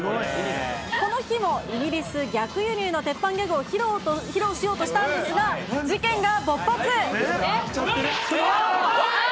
この日もイギリス逆輸入の鉄板ギャグを披露しようとしたんですが、あー！